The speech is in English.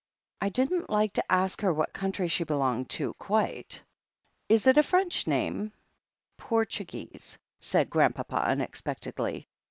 "I didn't 1%$ to ask her what country she belonged to, quite. Is it a French name?" "Portuguese," said Grandpapa unexpectedly.